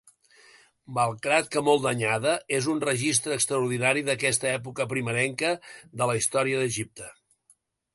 Malgrat que molt danyada, és un registre extraordinari d'aquesta època primerenca de la història d'Egipte.